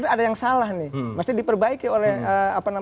ada yang salah nih mesti diperbaiki oleh pemerintah